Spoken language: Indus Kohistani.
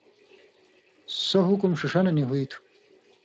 سو حُکُم ݜِݜہ نہ نی ہُوئ تُھو،